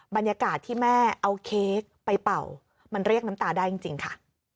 บรรยากาศที่แม่เอาเค้กไปเป่ามันเรียกน้ำตาได้จริงค่ะ